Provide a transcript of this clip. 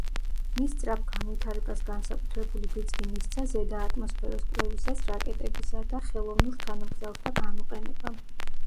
მის სწრაფ განვითარებას განსაკუთრებული ბიძგი მისცა ზედა ატმოსფეროს კვლევისას რაკეტებისა და ხელოვნურ თანამგზავრთა გამოყენებამ.